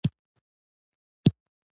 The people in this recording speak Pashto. ترموز د کور یوه ګټوره وسیله ده.